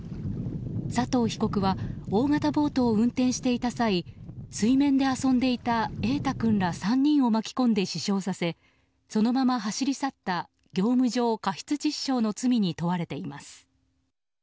佐藤被告は大型ボートを運転していた際水面で遊んでいた瑛大君ら３人を巻き込んで死傷させそのまま走り去った業務上過失致死傷の罪に問われています。